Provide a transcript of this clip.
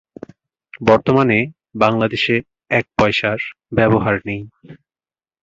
বর্তমানে বাংলাদেশে এক পয়সার ব্যবহার নেই।